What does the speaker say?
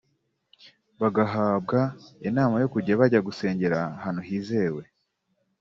Bagahabwa inama yo kujya bajya gusengera ahantu hizewe